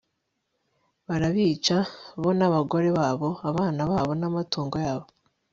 barabica, bo n'abagore babo, abana babo n'amatungo yabo